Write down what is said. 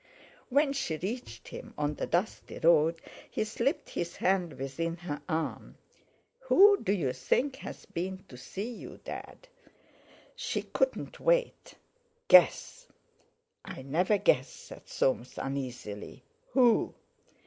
When she reached him on the dusty road, he slipped his hand within her arm. "Who, do you think, has been to see you, Dad? She couldn't wait! Guess!" "I never guess," said Soames uneasily. "Who?"